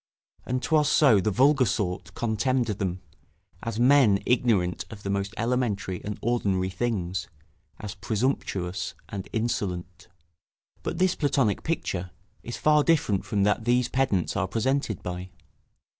And 'twas so the vulgar sort contemned them, as men ignorant of the most elementary and ordinary things; as presumptuous and insolent. But this Platonic picture is far different from that these pedants are presented by.